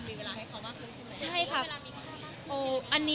มีเวลาให้เขามากขึ้นขึ้นไหม